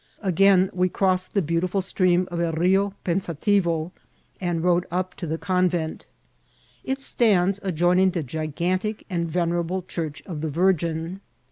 Again we crossed the beauti ful stream of El Bio Pensativo, and rode up to the con vent. It stands adjoining the gigantic and venerable church of the Virgin.